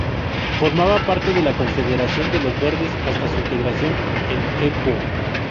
Formaba parte de la Confederación de Los Verdes hasta su integración en Equo.